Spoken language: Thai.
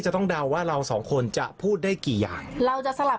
ต้องเดาว่าเราสองคนจะพูดได้กี่อย่างเราจะสลับ